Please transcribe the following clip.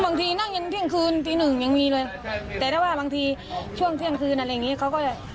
บางทีนั่งยันเที่ยงคืนตีหนึ่งยังมีเลยแต่ถ้าว่าบางทีช่วงเที่ยงคืนอะไรอย่างงี้เขาก็จะ